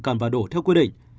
cần và đủ theo quy định